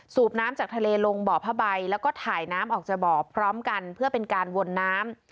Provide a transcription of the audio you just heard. น้ำจากทะเลลงบ่อผ้าใบแล้วก็ถ่ายน้ำออกจากบ่อพร้อมกันเพื่อเป็นการวนน้ำ